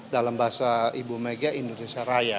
dalam bahasa ibu mega indonesia raya